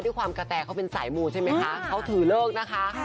ด้วยความกระแทกเขาเป็นสายมูลใช่ไหมคะเขาถือเลิกนะคะค่ะ